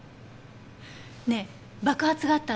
ねえ爆発があった